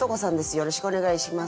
よろしくお願いします。